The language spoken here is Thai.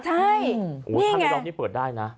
ใช่นี่ไงโอ้ทำให้รถนี้เปิดได้นะ